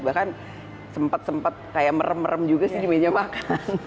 bahkan sempat sempat kayak merem merem juga sih di meja makan